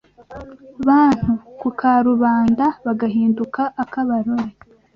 bantu ku karubanda, bagahinduka akabarore